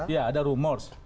ya ada rumours